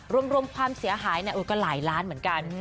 รวมความเสียหายก็หลายล้านเหมือนกัน